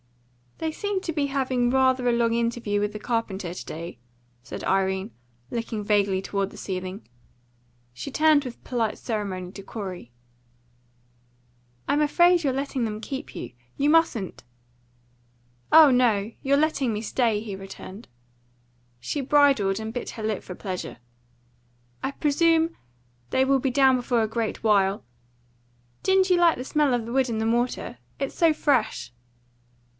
"They seem to be having rather a long interview with the carpenter to day," said Irene, looking vaguely toward the ceiling. She turned with polite ceremony to Corey. "I'm afraid you're letting them keep you. You mustn't." "Oh no. You're letting me stay," he returned. She bridled and bit her lip for pleasure. "I presume they will be down before a great while. Don't you like the smell of the wood and the mortar? It's so fresh."